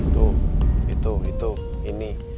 tuh itu itu ini